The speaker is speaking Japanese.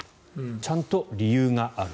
ちゃんと理由がある。